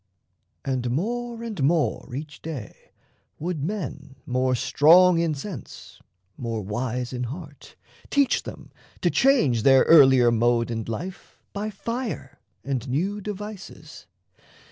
And more and more each day Would men more strong in sense, more wise in heart, Teach them to change their earlier mode and life By fire and new devices.